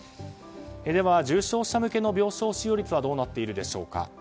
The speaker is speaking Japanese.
では重症者向けの病床使用率はどうなっているでしょうか。